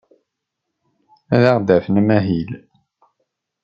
Ad aɣ-d-afen amahil.